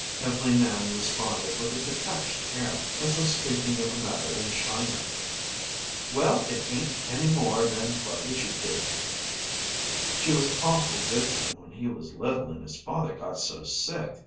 Ev'leen Ann responded with a detached air, as though speaking of a matter in China: "Well, it ain't any more than what he should. She was awful good to him when he was little and his father got so sick.